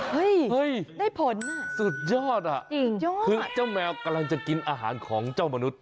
เฮ้ยได้ผลอ่ะจริงจ้าวแมวกำลังจะกินอาหารของเจ้ามนุษย์